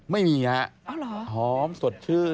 ไม่มีแล้วอ๋อเหรอหอมสดชื่น